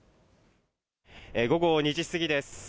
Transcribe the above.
午後２時過ぎです。